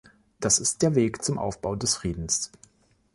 Das ist der Weg zum Aufbau des Friedens.